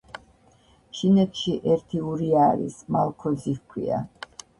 : ჩინეთში ერთი ურია არის, მალქოზი ჰქვია